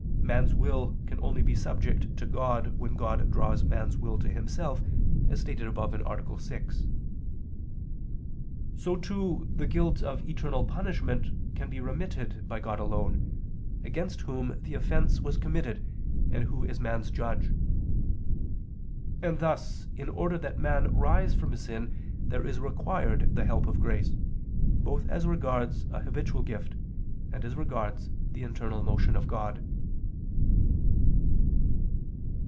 man's will can only be subject to God when God draws man's will to Himself, as stated above (A. 6). So, too, the guilt of eternal punishment can be remitted by God alone, against Whom the offense was committed and Who is man's Judge. And thus in order that man rise from sin there is required the help of grace, both as regards a habitual gift, and as regards the internal motion of God.